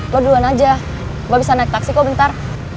lo duluan aja gak bisa naik taksi kok bentar